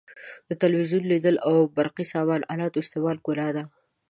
د تلویزیون لیدل او برقي سامان الاتو استعمال ګناه ده.